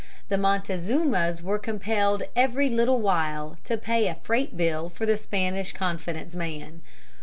The Montezumas were compelled every little while to pay a freight bill for the Spanish confidence man.